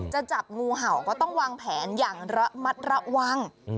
จะจับงูเห่าก็ต้องวางแผนอย่างระมัดระวัง